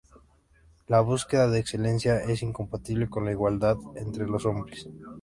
La búsqueda de excelencia es incompatible con la igualdad entre los hombres.